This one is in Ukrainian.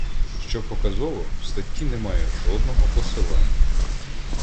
Що показово, в статті немає жодного посилання.